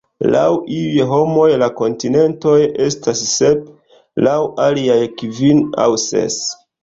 Laŭ iuj homoj la kontinentoj estas sep, laŭ aliaj kvin aŭ ses.